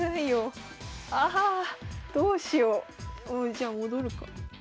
じゃあ戻るか。